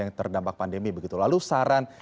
yang terdampak pandemi begitu lalu saran